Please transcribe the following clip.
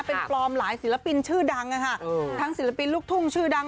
เป็นปลอมหลายศิลปินชื่อดัง